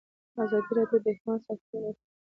ازادي راډیو د حیوان ساتنه د منفي اړخونو یادونه کړې.